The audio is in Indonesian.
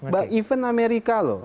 bahkan amerika loh